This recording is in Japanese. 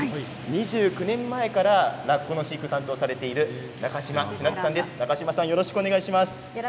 ２９年前からラッコの飼育を担当されている中嶋千夏さんです。